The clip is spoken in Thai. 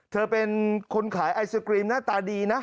เธอเป็นคนขายไอศกรีมหน้าตาดีนะ